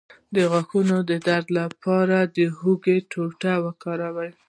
د غاښونو د درد لپاره د هوږې ټوټه وکاروئ